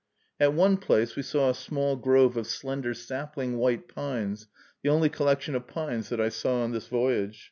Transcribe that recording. At one place we saw a small grove of slender sapling white pines, the only collection of pines that I saw on this voyage.